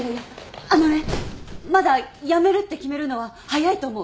あのねまだやめるって決めるのは早いと思う。